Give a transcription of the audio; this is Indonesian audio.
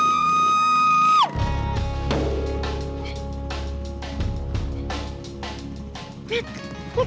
tidak ada yang bisa dikira